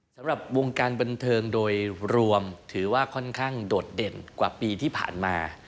สำหรับวงการบันเทิงโดยรวมถือว่าค่อนข้างโดดเด่นกว่าปีที่ผ่านมา